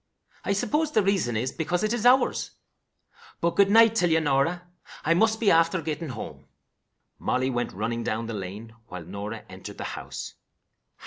I suppose the reason is because it is ours. But, good night till ye, Norah. I must be after getting home." Molly went running down the lane, while Norah entered the house.